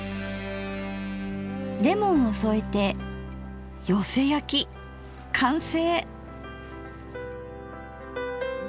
レモンを添えてよせ焼き完成！